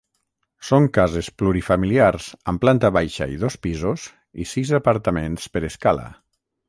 Són cases plurifamiliars amb planta baixa i dos pisos i sis apartaments per escala.